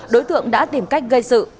đối tượng đã tìm cách gây sự